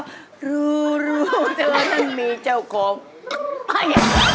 เอาครูได้ค่ะพี่ตั้งเขาได้